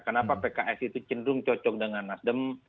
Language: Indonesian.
kenapa pks itu cenderung cocok dengan nasdem